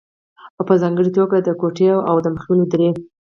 او په ځانګړې توګه د کوټې او ادم خېلو درې